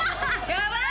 やばい。